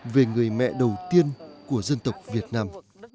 về người mẹ đầu tiên của dân tộc việt nam